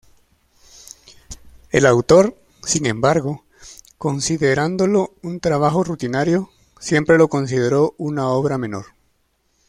El autor, sin embargo, considerándolo un trabajo rutinario, siempre lo consideró una obra menor.